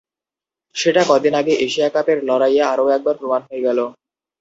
সেটা কদিন আগে এশিয়া কাপের লড়াইয়ে আরও একবার প্রমাণ হয়ে গেল।